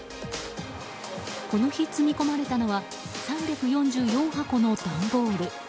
この日、積み込まれたのは３４４箱の段ボール。